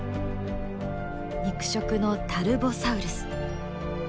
肉食のタルボサウルス。